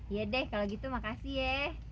ya deh kalau gitu makasih ya